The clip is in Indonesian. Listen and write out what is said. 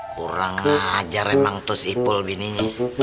kurang aja remang tuh si ipul bininya